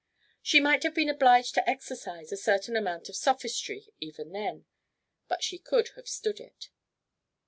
She might have been obliged to exercise a certain amount of sophistry even then, but she could have stood it.